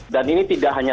dan ini tidak hanya